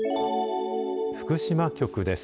福島局です。